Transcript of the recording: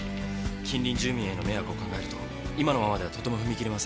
近隣住民への迷惑を考えると今のままではとても踏み切れません。